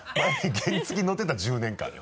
原付乗ってた１０年間よ。